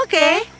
kau adalah kau